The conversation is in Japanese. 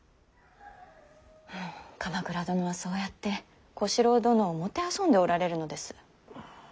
ふう鎌倉殿はそうやって小四郎殿を弄んでおられるのです。